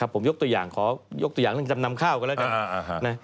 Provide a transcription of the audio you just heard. ผมยกตัวอย่างขอยกตัวอย่างนำข้าวกันแล้วกัน